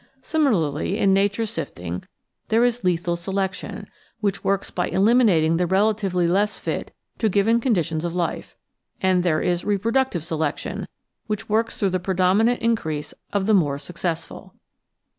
Similarly, in Nature's sifting there is lethcd selection, which works by eliminat ing the relatively less fit to given conditions of life, and there is reproductive selection, which works through the predominant in crease of the more successful.